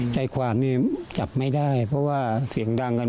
ใจความนี่จับไม่ได้เพราะว่าเสียงดังกัน